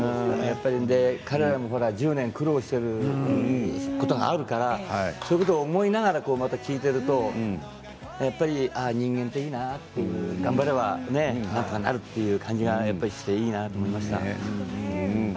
彼らも１０年苦労していることがあるから、そういうことを思いながら聴いているとやっぱり人間っていいなって頑張ればなんとかなるという感じがしていいなと思いました。